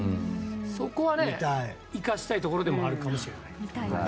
そこは、生かしたいところでもあるかもしれない。